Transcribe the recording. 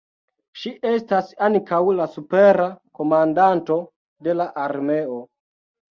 Ŝi estas ankaŭ la supera komandanto de la armeo.